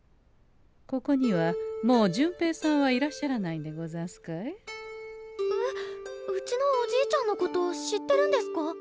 ここにはもう順平さんはいらっしゃらないんでござんすかえ？えっうちのおじいちゃんのこと知ってるんですか？